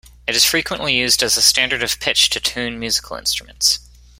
It is frequently used as a standard of pitch to tune musical instruments.